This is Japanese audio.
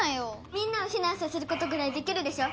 みんなをひなんさせることぐらいできるでしょ。